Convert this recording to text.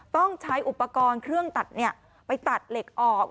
ต้องใช้อุปกรณ์เครื่องตัดไปตัดเหล็กออก